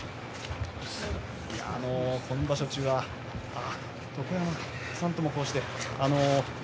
今場所中は床山さんともこうして。